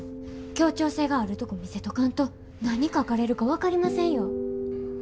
協調性があるとこ見せとかんと何書かれるか分かりませんよ。